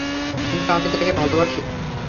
কিন্তু আমি তাকে ভালোবাসি!